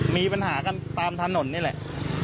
มีปัญหากันตามถนนนี่แหละ